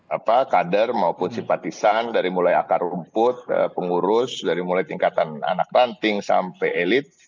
apa kader maupun simpatisan dari mulai akar rumput pengurus dari mulai tingkatan anak ranting sampai elit